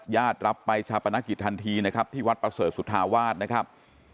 รับไปชาปนกิจทันทีนะครับที่วัดประเสริฐสุธาวาสนะครับ